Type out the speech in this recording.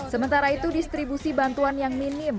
sementara itu distribusi bantuan yang minim